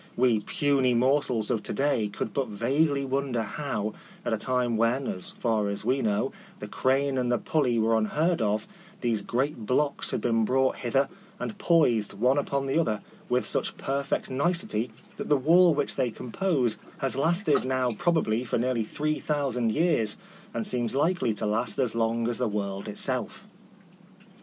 "We puny mortals of to day could but vaguely won der how, at a time when, as far as we know, the crane and the pulley were unheard of, these great blocks had been brought hither, and poised one upon the other with such per fect nicety that the wall which they compose has lasted now probably for nearly three thousand years, and seems likely to last as long as the world itself.